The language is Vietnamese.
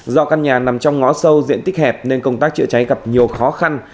do căn nhà nằm trong ngõ sâu diện tích hẹp nên công tác chữa cháy gặp nhiều khó khăn